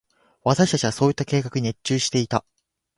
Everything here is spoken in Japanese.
私達はそうした計画に熱中していた。